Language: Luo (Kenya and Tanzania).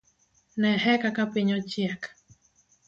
Nehe kaka piny ochiek.